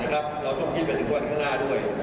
เราต้องคิดไปถึงวันข้างหน้าด้วย